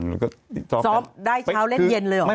แล้วก็ซ้อมได้เช้าเล่นเย็นเลยเหรอ